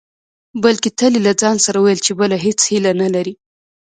بلکې تل يې له ځانه سره ويل چې بله هېڅ هيله نه لري.